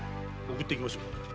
送っていきましょう。